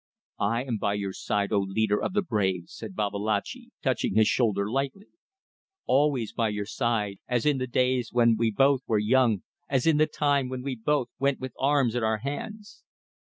"I am by your side, O Leader of the brave," said Babalatchi, touching his shoulder lightly. "Always by your side as in the days when we both were young: as in the time when we both went with arms in our hands."